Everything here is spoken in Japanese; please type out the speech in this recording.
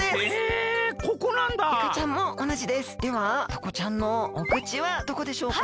ではタコちゃんのお口はどこでしょうか？